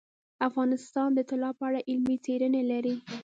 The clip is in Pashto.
افغانستان د طلا په اړه علمي څېړنې لري.